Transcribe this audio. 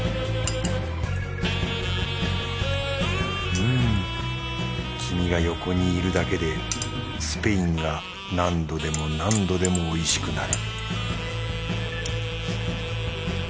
うんキミが横にいるだけでスペインが何度でも何度でもおいしくなる